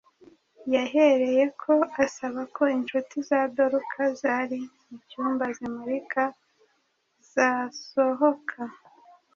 Yahereyeko asaba ko incuti za Doruka zari mu cyumba zimuririra zasohoka.